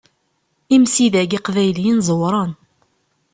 Imsidag iqbayliyen ẓewren.